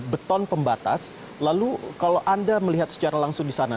beton pembatas lalu kalau anda melihat secara langsung di sana